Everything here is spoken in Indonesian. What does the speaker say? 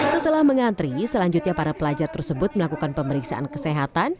setelah mengantri selanjutnya para pelajar tersebut melakukan pemeriksaan kesehatan